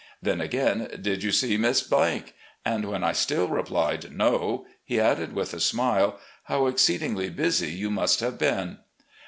Then again, 'Did you see Miss ?' and when I still replied 'No,' he added, with a smile, 'How exceedingly busy you must have been.